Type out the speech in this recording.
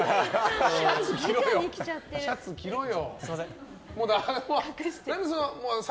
早くシャツ着ろよ。